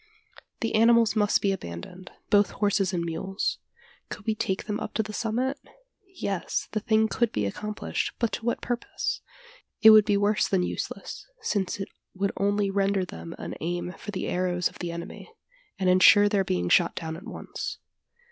The animals must be abandoned both horses and mules. Could we take them up to the summit? Yes, the thing could be accomplished, but to what purpose? It would be worse than useless: since it would only render them an aim for the arrows of the enemy, and insure their being shot down at once.